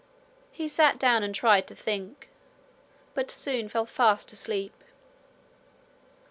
He sat down and tried to think, but soon fell fast asleep.